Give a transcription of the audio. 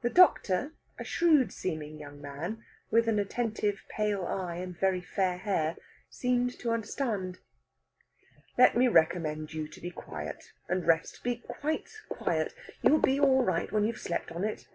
The doctor, a shrewd seeming young man with an attentive pale eye, and very fair hair, seemed to understand. "Let me recommend you to be quiet and rest. Be quite quiet. You will be all right when you have slept on it.